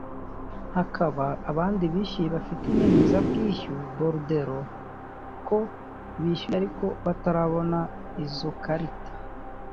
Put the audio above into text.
hakaba abandi bishyuye bafite inyemezabwishyu [borderaux] ko bishyuye ariko batarabona izo karita